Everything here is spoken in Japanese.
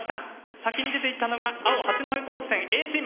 先に出ていったのが青八戸高専Ａチーム。